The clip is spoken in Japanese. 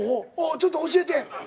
ちょっと教えて。